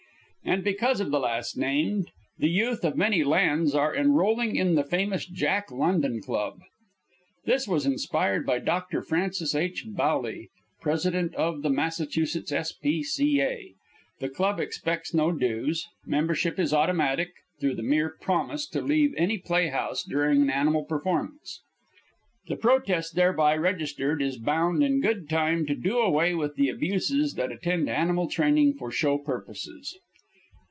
And because of the last named, the youth of many lands are enrolling in the famous Jack London Club. This was inspired by Dr. Francis H. Bowley, President of the Massachusetts S.P.C.A. The Club expects no dues. Membership is automatic through the mere promise to leave any playhouse during an animal performance. The protest thereby registered is bound, in good time, to do away with the abuses that attend animal training for show purposes.